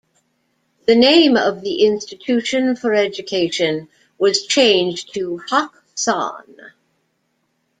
The name of the insititution for Education was changed to Hak-San.